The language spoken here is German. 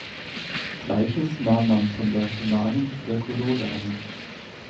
Gleiches nahm man von der humanen Tuberkulose an.